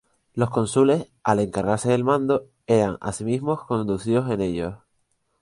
Los cónsules, al encargarse del mando, eran asimismo conducidos en ellos.